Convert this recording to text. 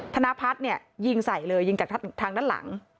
ธนพัฒน์เนี่ยยิงใส่เลยยิงจากทางด้านหลัง